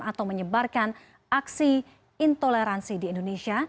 atau menyebarkan aksi intoleransi di indonesia